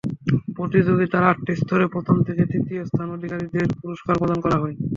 প্রতিযোগিতার আটটি স্তরে প্রথম থেকে তৃতীয় স্থান অধিকারীদের পুরস্কার প্রদান করা হয়।